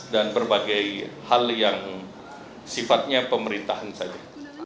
dan berbagai hal yang sifatnya pemerintahan saja